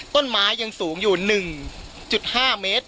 ต้นไม้ยังสูงอยู่๑๕เมตร